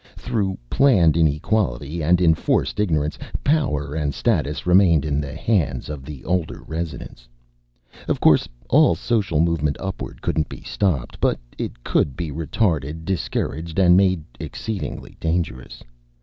Through planned inequality and enforced ignorance, power and status remained in the hands of the older residents. Of course, all social movement upward couldn't be stopped. But it could be retarded, discouraged, and made exceedingly dangerous.